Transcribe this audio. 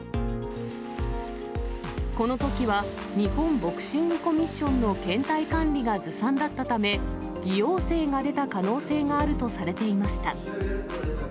このときは日本ボクシングコミッションの検体管理がずさんだったため、偽陽性が出た可能性があるとされていました。